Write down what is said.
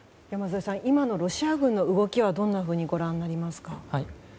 山添さん、今のロシア軍の動きはどうご覧になりますか？